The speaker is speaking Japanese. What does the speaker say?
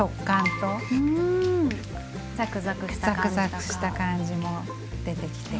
ザクザクした感じも出てきて。